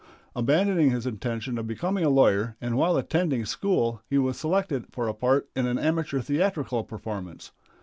Abandoning his intention of becoming a lawyer, and while attending school he was selected for a part in an amateur theatrical performance.